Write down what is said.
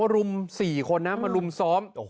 รุม๔คนนะมารุมซ้อม